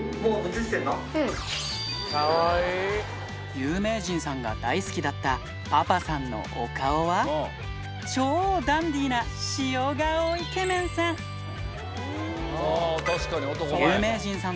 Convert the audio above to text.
有名人さんが大好きだったパパさんのお顔は、超ダンディーな塩顔イケメンさん。